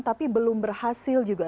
tapi belum berhasil juga